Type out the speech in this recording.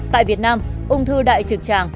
tại việt nam ung thư đại trực tràng